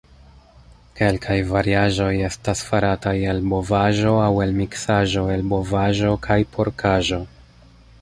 Kelkaj variaĵoj estas farataj el bovaĵo aŭ el miksaĵo el bovaĵo kaj porkaĵo.